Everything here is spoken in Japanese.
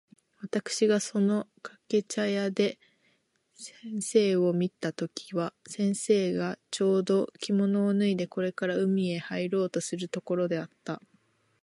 私（わたくし）がその掛茶屋で先生を見た時は、先生がちょうど着物を脱いでこれから海へ入ろうとするところであった。